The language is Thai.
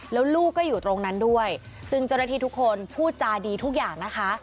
แล้วลูกก็อยู่ตรงนั้นด้วยซึ่งเจ้าหน้าที่ทุกคนพูดจาดีทุกอย่างนะคะ